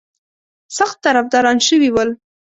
سخت طرفداران شوي ول.